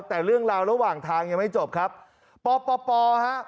แต่เรื่องราวระหว่างทางยังไม่จบครับปปฮะ